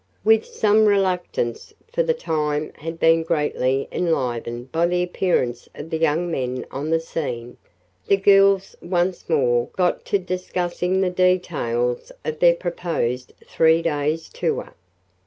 With some reluctance, for the time had been greatly enlivened by the appearance of the young men on the scene, the girls once more got to discussing the details of their proposed three days' tour.